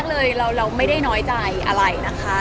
กลับนอนขึ้นเคอนเซิร์ส